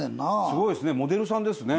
すごいですねモデルさんですね。